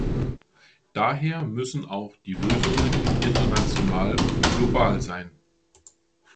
Daher müssen auch die Lösungen international und global sein.